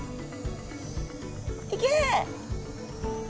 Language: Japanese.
いけ！